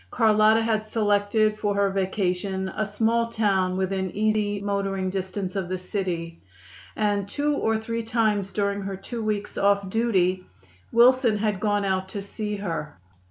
Carlotta had selected for her vacation a small town within easy motoring distance of the city, and two or three times during her two weeks off duty Wilson had gone out to see her.